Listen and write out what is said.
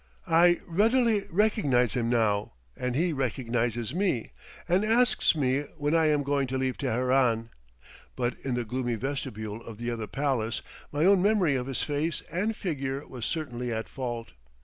I readily recognize him now, and he recognizes me, and asks me when I am going to leave Teheran; but in the gloomy vestibule of the other palace, my own memory of his face and figure was certainly at fault.